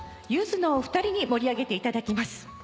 ゆずのお二人に盛り上げていただきます。